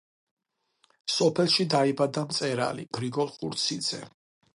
სოფელში დაიბადა მწერალი გრიგოლ ხურციძე.